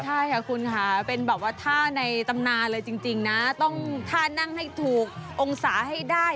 ใช่ค่ะคุณค่ะเป็นแบบว่าท่าในตำนานเลยจริงนะต้องท่านั่งให้ถูกองศาให้ได้